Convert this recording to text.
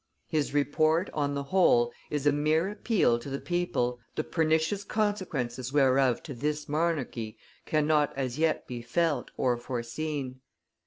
His Report, on the whole, is a mere appeal to the people, the pernicious consequences whereof to this monarchy cannot as yet be felt or foreseen.